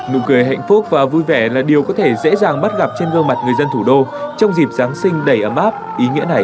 nụ cười hạnh phúc và vui vẻ là điều có thể dễ dàng bắt gặp trên gương mặt người dân thủ đô trong dịp giáng sinh đầy ấm áp ý nghĩa này